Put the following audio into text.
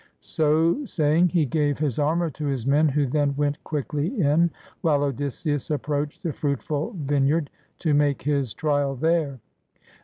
So saying, he gave his armor to his men, who then went quickly in, while Odysseus approached the fruitful vine yard, to make his trial there.